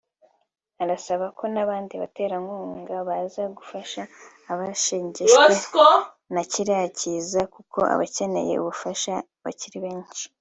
Arasaba ko n’abandi baterankunga baza gufasha abashegeshwe na kiriya kiza kuko abakeneye ubufasha bakiri benshi